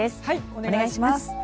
お願いします。